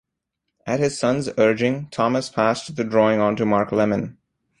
At his son's urging Thomas passed the drawing on to Mark Lemon.